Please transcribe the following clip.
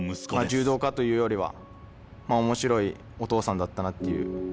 柔道家というよりは、おもしろいお父さんだったなという。